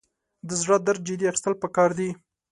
د زړه درد جدي اخیستل پکار دي.